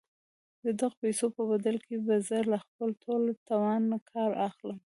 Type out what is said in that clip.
د دغو پيسو په بدل کې به زه له خپل ټول توانه کار اخلم.